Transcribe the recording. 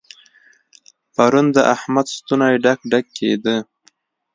پرون د احمد ستونی ډک ډک کېد.